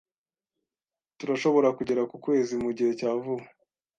Turashobora kugera ku kwezi mugihe cya vuba?